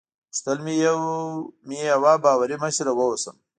غوښتل مې یوه باوري مشره واوسم.